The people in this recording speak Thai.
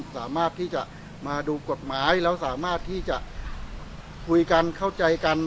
สามารถที่จะมาดูกฎหมายแล้วสามารถที่จะคุยกันเข้าใจกัน